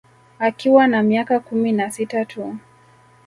Akiwa na miaka kumi na sita tu